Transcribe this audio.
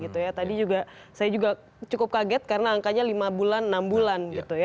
tadi juga saya juga cukup kaget karena angkanya lima bulan enam bulan